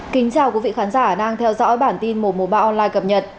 kính chào quý vị khán giả đang theo dõi bản tin một trăm một mươi ba online cập nhật